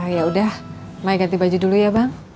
ya udah main ganti baju dulu ya bang